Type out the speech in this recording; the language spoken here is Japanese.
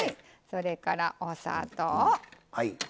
それから、お砂糖。